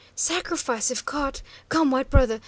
Sacrifice if caught; come, white brother!